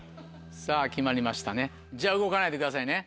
さぁ決まりましたねじゃあ動かないでくださいね。